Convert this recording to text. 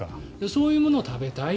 そういうものを食べたい。